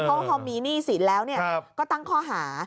เพราะเขามีหนี้สิทธิ์แล้วก็ตั้งคอหา